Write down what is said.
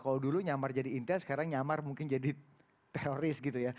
kalau dulu nyamar jadi intens sekarang nyamar mungkin jadi teroris gitu ya